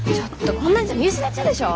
こんなんじゃ見失っちゃうでしょ？